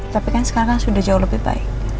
tapi kan sekarang sudah jauh lebih baik